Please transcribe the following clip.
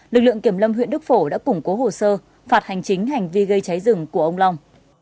lực lượng kiểm lâm huyện đức phổ đã củng cố hồ sơ phạt hành chính hành vi gây cháy rừng của ông long